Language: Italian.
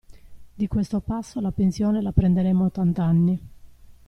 Di questo passo la pensione la prenderemo a ottant'anni.